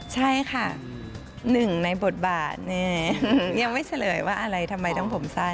ใช่ค่ะหนึ่งในบทบาทยังไม่เฉลยว่าอะไรทำไมต้องผมสั้น